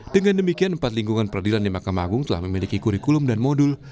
dengan demikian empat lingkungan peradilan di mahkamah agung telah memiliki kurikulum dan modul